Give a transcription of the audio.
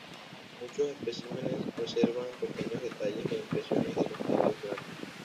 Muchos especímenes preservan pequeños detalles e impresiones de los tejidos blandos.